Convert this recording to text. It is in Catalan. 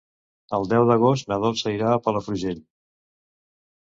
El deu d'agost na Dolça irà a Palafrugell.